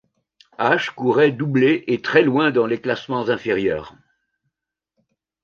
Asch courait doublé et très loin dans les classements inférieurs.